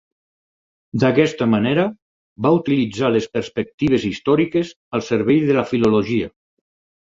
D'aquesta manera, va utilitzar les perspectives històriques al servei de la filologia.